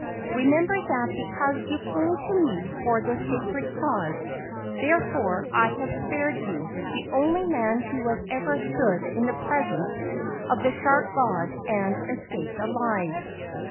Remember that because you came to me for this sacred cause, therefore I have spared you, the only man who has ever stood in the presence of the shark god and es¬ caped alive."